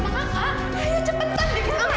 baiklah kita bakal ikut dong